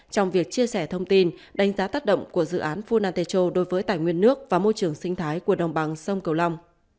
trong việc chia sẻ thông tin đánh giá tác động của dự án phunanetro đối với tài nguyên nước và môi trường sinh thái của đồng bằng sông cầu long